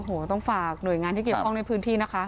โอ้โหต้องฝากหน่วยงานที่เกี่ยวข้องในพื้นที่นะคะ